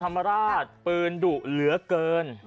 ธรรมดาตรีปืนดุหลือเกิน